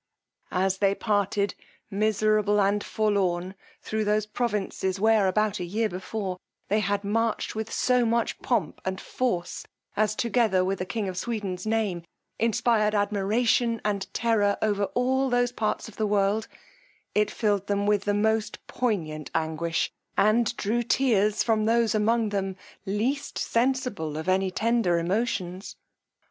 As they parted, miserable and forlorn, thro' those provinces where, about a year before, they had marched with so much pomp and force, as, together with the king of Sweden's name, inspired admiration and terror over all those parts of the world, it filled them with the most poignant anguish, and drew tears from those among them least sensible of any tender emotions.